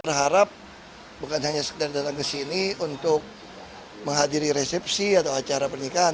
berharap bukan hanya sekedar datang ke sini untuk menghadiri resepsi atau acara pernikahan